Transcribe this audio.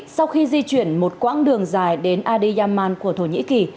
sau khi di chuyển một quãng đường dài đến adyaman của thổ nhĩ kỳ